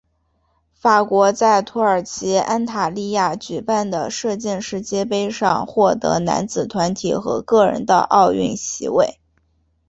法国在土耳其安塔利亚举办的射箭世界杯上获得男子团体和个人的奥运席位。